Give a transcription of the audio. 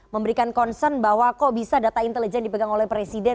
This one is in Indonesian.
memberikan concern bahwa kok bisa data intelijen dipegang oleh presiden